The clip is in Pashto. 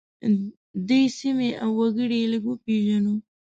دې سیمې او وګړي یې لږ وپیژنو.